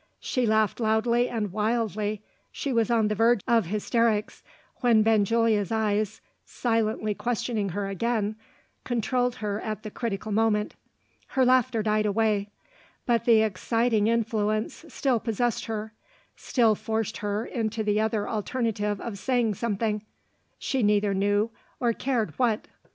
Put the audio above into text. She laughed loudly and wildly she was on the verge of hysterics, when Benjulia's eyes, silently questioning her again, controlled her at the critical moment. Her laughter died away. But the exciting influence still possessed her; still forced her into the other alternative of saying something she neither knew nor cared what.